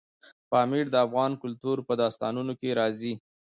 پامیر د افغان کلتور په داستانونو کې راځي.